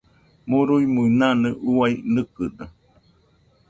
Murui-muinanɨ uai nɨkɨdo.